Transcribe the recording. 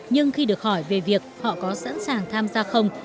nhưng khi được hỏi về việc họ có sẵn sàng tham gia không